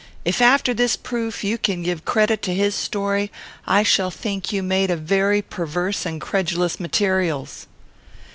If, after this proof, you can give credit to his story, I shall think you made of very perverse and credulous materials."